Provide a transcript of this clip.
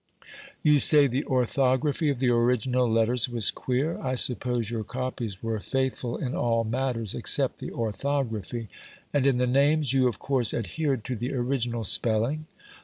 "You say the orthography of the original letters was queer. I suppose your copies were faithful in all matters except the orthography. And in the names, you of course adhered to the original spelling?"